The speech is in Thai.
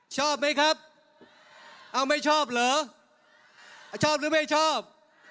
ชอบไหมครับเอาไม่ชอบเหรอชอบหรือไม่ชอบ